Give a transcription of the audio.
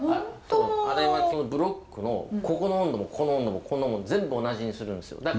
あれはブロックのここの温度もここの温度もここの温度も全部同じにするんですよ。